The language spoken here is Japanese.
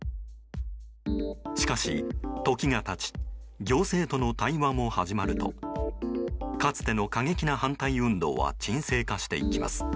しかし、時が経ち行政との対話も始まるとかつての過激な反対運動は沈静化していきます。